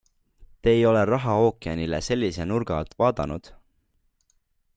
Te ei ole rahaookeanile sellise nurga alt vaadanud?